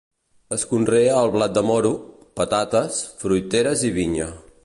Es conrea el blat de moro, patates, fruiteres i vinya.